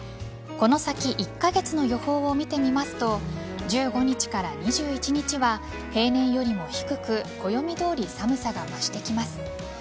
この先１カ月の予報を見てみますと１５日から２１日は平年よりも低く暦どおり寒さが増してきます。